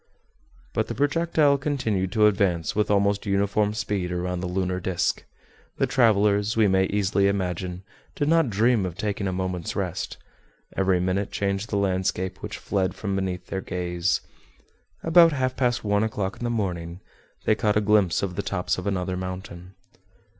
But the projectile continued to advance with almost uniform speed around the lunar disc. The travelers, we may easily imagine, did not dream of taking a moment's rest. Every minute changed the landscape which fled from beneath their gaze. About half past one o'clock in the morning, they caught a glimpse of the tops of another mountain.